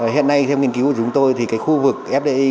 hiện nay theo nghiên cứu của chúng tôi thì cái khu vực fdi